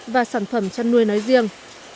và sản phẩm chăn nuôi nói riêng